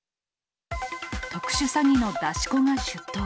特殊詐欺の出し子が出頭。